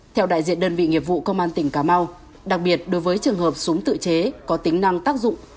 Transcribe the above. theo đại diện đơn vị nghiệp vụ công an tỉnh cà mau đặc biệt đối với trường hợp súng tự chế có tính năng tác dụng